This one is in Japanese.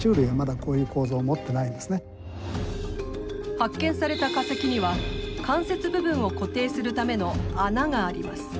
発見された化石には関節部分を固定するための穴があります。